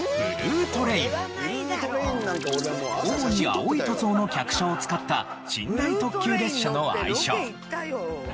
主に青い塗装の客車を使った寝台特急列車の愛称。